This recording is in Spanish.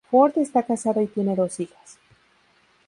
Ford está casada y tiene dos hijas.